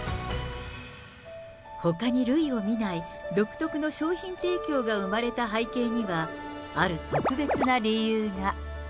ほかに類を見ない独特の商品提供が生まれた背景には、ある特別な理由が。